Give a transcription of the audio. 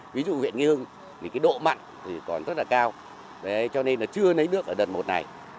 ví dụ huyện nghĩ hưng độ mặn còn rất cao cho nên chưa lấy nước ở đợt một này